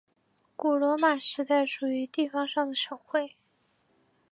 古罗马时代属于地方上的省会。